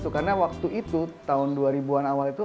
karena waktu itu tahun dua ribu an awal itu